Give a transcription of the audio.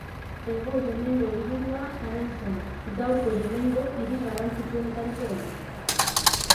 Hego Yemengo hiriburua Aden zen, gaurko Yemengo hiri garrantzitsuenetariko bat.